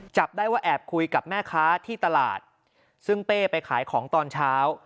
จับได้ว่าแอบคุยกับแม่ค้าที่ตลาดซึ่งเป้ไปขายของตอนเช้า